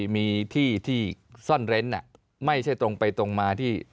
มีที่ที่ซ่อนเร้นไม่ใช่ตรงไปตรงมาที่